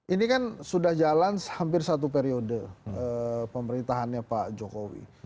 ini kan sudah jalan hampir satu periode pemerintahannya pak jokowi